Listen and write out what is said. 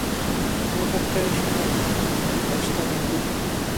Ñuqa kay shumaq hipashtami kuyaa.